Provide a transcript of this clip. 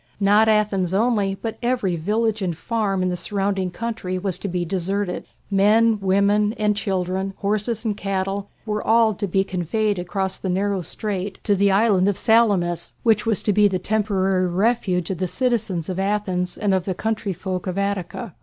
Not Athens only, but every village and farm in the surrounding country was to be deserted. Men, women, and children, horses and cattle, were all to be conveyed across the narrow strait to the island of Salamis, which was to be the temporary refuge of the citizens of Athens and of the country folk of Attica.